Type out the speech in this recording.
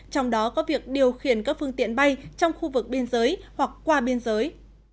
trong đó có việc điều khiển các phương tiện bay trong khu vực biên giới hoặc qua biên giới